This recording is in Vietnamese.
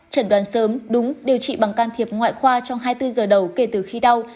chẩn đoán sớm đúng điều trị bằng can thiệp ngoại khoa trong hai mươi bốn giờ đầu kể từ khi đau